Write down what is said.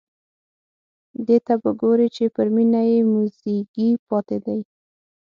دې ته به ګوري چې پر مېنه یې موزیګی پاتې دی.